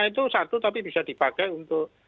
itu satu tapi bisa dipakai untuk